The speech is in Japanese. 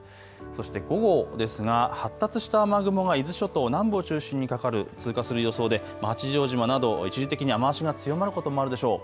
そして午後ですが発達した雨雲が伊豆諸島南部を中心にかかる、通過する予想で、八丈島など一時的に雨足が強まることもあるでしょう。